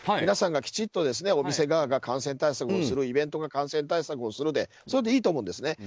皆さんがきちんとお店側が感染対策をするイベントが感染対策をするでいいと思うんですね。